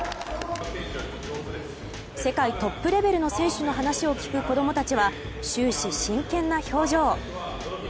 世界トップレベルの選手の話を聞く子供たちは終始、真剣な表情。